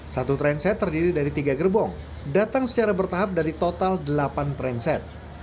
satu tren set terdiri dari tiga gerbong datang secara bertahap dari total delapan transit